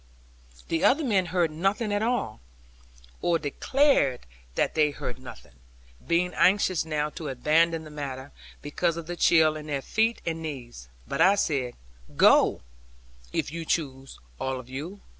The other men heard nothing at all; or declared that they heard nothing, being anxious now to abandon the matter, because of the chill in their feet and knees. But I said, 'Go, if you choose all of you.